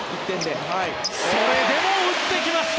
それでも打ってきました！